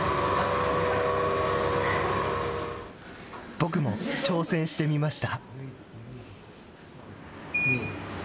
僕も挑戦してみました。